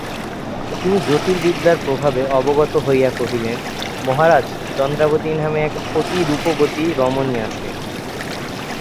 তিনি জ্যোতির্বিদ্যাপ্রভাবে অবগত হইয়া কহিলেন, মহারাজ চন্দ্রাবতী নামে এক অতিরূপবতী রমণী আছে।